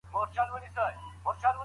خپل کالي په پاکه صابون او اوبو ومینځئ.